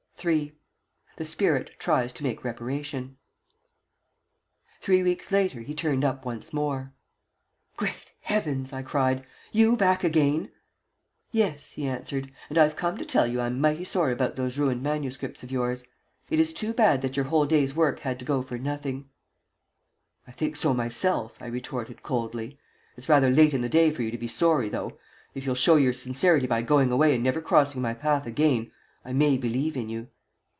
III THE SPIRIT TRIES TO MAKE REPARATION Three weeks later he turned up once more. "Great Heavens!" I cried; "you back again?" "Yes," he answered; "and I've come to tell you I'm mighty sorry about those ruined MSS. of yours. It is too bad that your whole day's work had to go for nothing." [Illustration: "HE WAS AMPLY PROTECTED"] "I think so myself," I retorted, coldly. "It's rather late in the day for you to be sorry, though. If you'll show your sincerity by going away and never crossing my path again, I may believe in you."